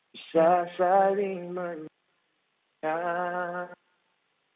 bisa saling mencintai